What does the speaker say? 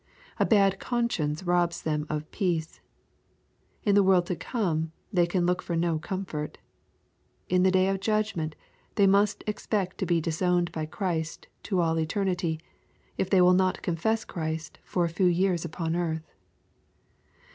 A bad conscience robs them of peace. In the world to come they can look for no comfort. In the day of judgment they must expect to be disowned by Christ to all eter nity, if they will not confess Christ for a few years upon earth.